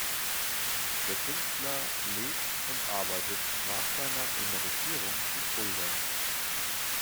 Der Künstler lebt und arbeitet nach seiner Emeritierung in Fulda.